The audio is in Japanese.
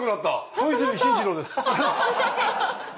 小泉進次郎です。